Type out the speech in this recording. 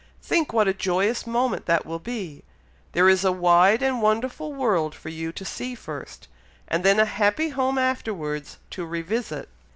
Think what a joyous moment that will be! There is a wide and wonderful world for you to see first, and then a happy home afterwards to revisit."